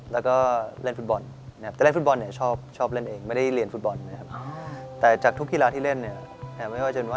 แล้วก็เล่นฟุตบอลนะครับ